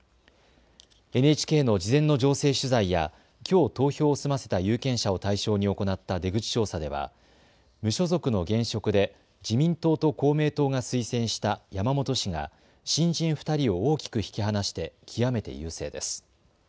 ＮＨＫの事前の情勢取材やきょう投票を済ませた有権者を対象に行った出口調査では無所属の現職で自民党と公明党が推薦した山本氏が新人２人を大きく引き離して極めて優勢です。